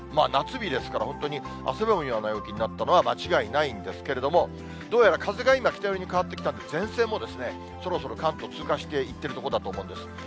夏日ですから、本当に、汗ばむ陽気になったのは間違いないんですけれども、どうやら、風が今、北寄りに変わってきた、前線もそろそろ関東通過していってるとこだと思うんです。